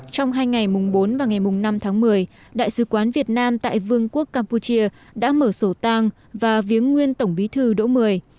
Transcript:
trong hai ngày mùng bốn và ngày mùng năm tháng một mươi đại sứ quán việt nam tại vương quốc campuchia đã mở sổ tang và viếng nguyên tổng bí thư đỗ mười